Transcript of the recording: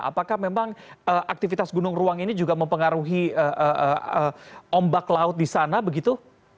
apakah memang aktivitas gunung ruang ini juga mempengaruhi ombak laut di sana begitu